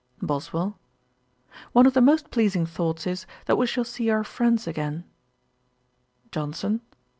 BOSWELL. 'One of the most pleasing thoughts is, that we shall see our friends again.' JOHNSON.